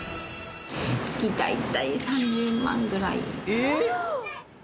月大体３０万ぐらいです。